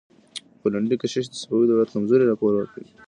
پولندي کشیش د صفوي دولت کمزورۍ راپور ورکړ.